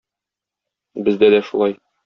Бездә дә шулай.